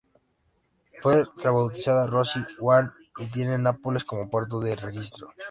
Fue rebautizado Rossy One y tiene Nápoles como puerto de registro.